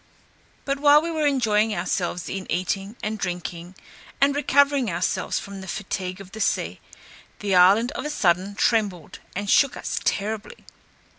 But while we were enjoying ourselves in eating and drinking, and recovering ourselves from the fatigue of the sea, the island on a sudden trembled, and shook us terribly.